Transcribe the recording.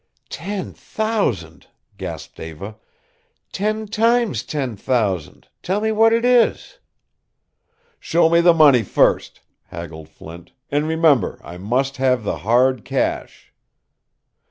"Ten thousand!" gasped Eva. "Ten times ten thousand! Tell me what it is." "Show me the money first," haggled Flint, "and remember I must have the hard cash."